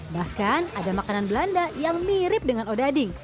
bahkan ada makanan belanda yang mirip dengan odading